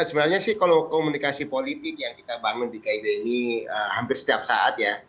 sebenarnya sih kalau komunikasi politik yang kita bangun di kib ini hampir setiap saat ya